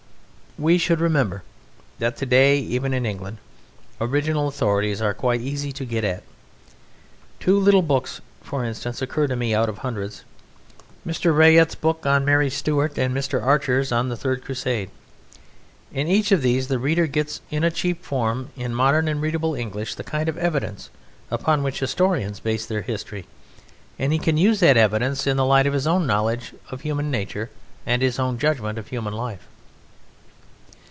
We should remember that today, even in England, original authorities are quite easy to get at. Two little books, for instance, occur to me out of hundreds: Mr. Rait's book on Mary Stuart and Mr. Archer's on the Third Crusade. In each of these the reader gets in a cheap form, in modern and readable English, the kind of evidence upon which historians base their history, and he can use that evidence in the light of his own knowledge of human nature and his own judgment of human life.